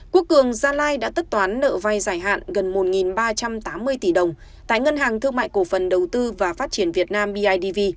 quốc cường gia lai đã tất toán nợ vay giải hạn gần một ba trăm tám mươi tỷ đồng tại ngân hàng thương mại cổ phần đầu tư và phát triển việt nam bidv